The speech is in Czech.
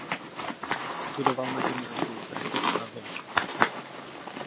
Studoval na gymnáziu v Bratislavě.